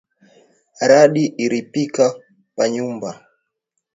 Radi iripika pa nyumba